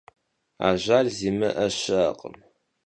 Ajjal zimı'e şı'ekhım.